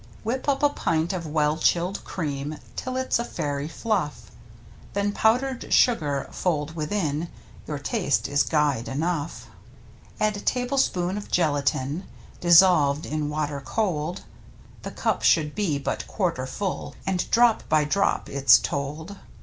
Whip up a pint of well chilled cream Till it's a fairy fluff, Then powdered sugar fold within, Your taste is guide enough. Add tablespoon of gelatine Dissolved in water cold (The cup should be but quarter full. And drop by drop it's told).